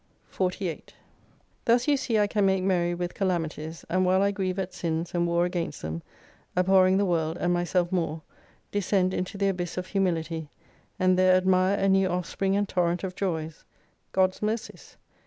48 Thus you see I can make merry with calamities, and while I grieve at Sins, and war against them, abhorring the world, and myself more, descend into the abyss of humihty, and there admire a new offspring and torrent of joys God's Mercies.